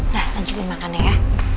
nah lanjutin makannya ya